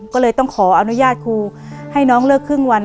ก็เลยต้องขออนุญาตครูให้น้องเลิกครึ่งวัน